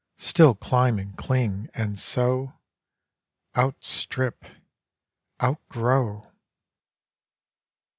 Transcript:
Still climb and cling; and so Outstrip, outgrow.